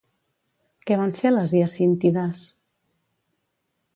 Què van fer les Hiacíntides?